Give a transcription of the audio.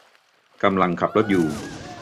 กำลังขับรถอยู่